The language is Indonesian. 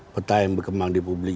peta yang berkembang di publik